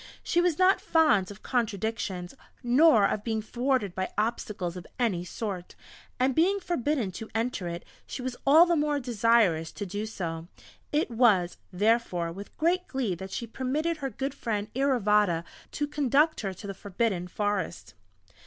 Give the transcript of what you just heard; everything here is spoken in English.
She was not fond of contradictions nor of being thwarted by obstacles of any sort, and being forbidden to enter it, she was all the more desirous to do so; it was, therefore, with great glee that she permitted her good friend Iravata to conduct her to the Forbidden Forest.